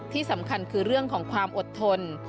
ที่สำคัญคือเรื่องของความอดทน